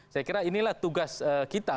saya kira inilah tugas kita